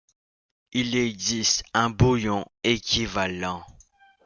Il existe un bouillon équivalent.